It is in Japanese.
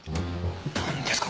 何ですか？